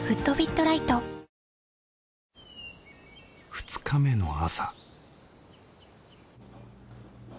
２日目の朝